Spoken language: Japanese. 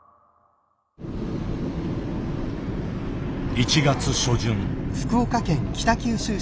１月初旬。